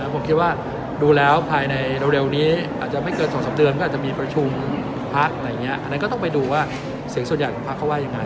ผมคิดว่าดูแล้วภายในเร็วนี้อาจจะไม่เกิน๒๓เดือนก็อาจจะมีประชุมพักอะไรอย่างนี้อันนั้นก็ต้องไปดูว่าเสียงส่วนใหญ่ของพักเขาว่ายังไง